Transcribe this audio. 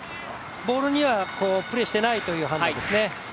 ボールにはプレーしていないという判断ですね。